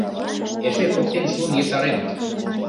Эше поктен шуын ешарем.